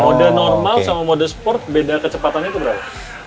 mode normal sama mode sport beda kecepatannya itu berapa